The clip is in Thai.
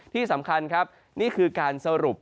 ที่สำคัญครับนี่คือการสรุป